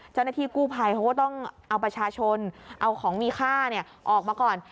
เจ้าหน้าที่กู้ภัยเขาก็ต้องเอาประชาชนเอาของมีค่าออกมาก่อน